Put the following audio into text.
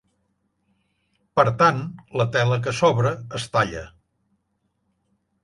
Per tant, la tela que sobra es talla.